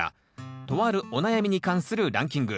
とあるお悩みに関するランキング。